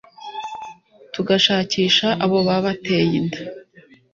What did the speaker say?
tugashakisha abo babateye inda